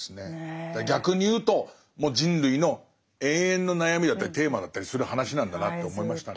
逆に言うともう人類の永遠の悩みだったりテーマだったりする話なんだなと思いましたね。